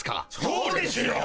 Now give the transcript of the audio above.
そうですよ！